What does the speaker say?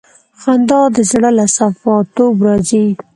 خندا د زړه له صفا توب راځي.